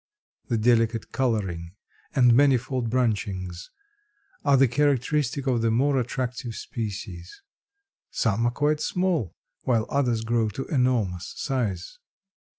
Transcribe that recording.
The delicate coloring and manifold branchings are the characteristic of the more attractive species. Some are quite small, while others grow to enormous size.